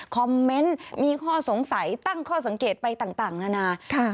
คอมเมนต์มีข้อสงสัยตั้งข้อสังเกตไปต่างนานา